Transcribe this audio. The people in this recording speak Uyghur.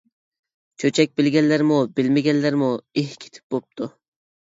چۆچەك بىلگەنلەرمۇ، بىلمىگەنلەرمۇ، ئېھ، كېتىپ بوپتۇ.